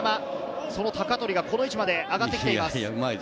その鷹取がこの位置まで上がってきています。